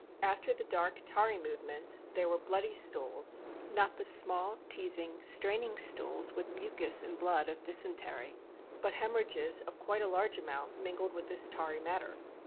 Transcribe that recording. After the dark, tarry movements there were bloody stools, not the small, teasing, straining stools with mucus and blood of dysentery, but hemorrhages, of quite a large amount, mingled with this tarry matter.